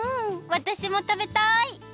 わたしもたべたい！